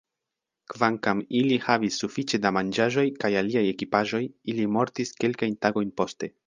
Kvankam ili havis sufiĉe da manĝaĵoj kaj aliaj ekipaĵoj, ili mortis kelkajn tagojn poste.